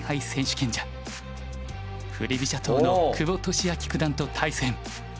飛車党の久保利明九段と対戦。